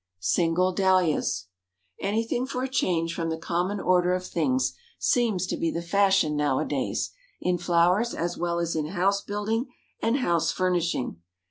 SINGLE DAHLIAS. Anything for a change from the common order of things, seems to be the fashion now a days, in flowers as well as in house building and house furnishing.